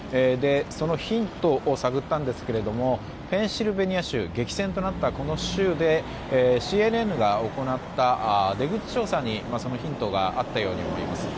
そのヒントを探ったんですがペンシルベニア州激戦となったこの州でＣＮＮが行った出口調査にそのヒントがあったように思います。